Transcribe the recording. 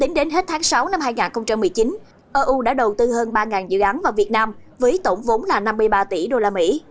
tính đến hết tháng sáu năm hai nghìn một mươi chín eu đã đầu tư hơn ba dự án vào việt nam với tổng vốn là năm mươi ba tỷ đô la mỹ